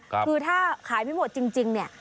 คือถ้าขายไม่หมดจริงเนี่ย